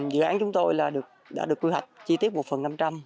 dự án chúng tôi đã được quy hoạch chi tiết một phần